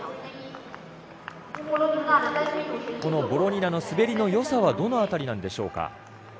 ボロニナの滑りの良さはどの辺りなんでしょうか？